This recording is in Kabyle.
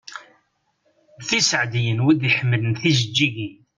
D iseɛdiyen wid i iḥemmlen tjeǧǧigin.